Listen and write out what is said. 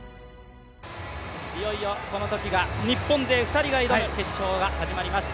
いよいよ、そのときが、日本勢２人が挑む決勝が始まります。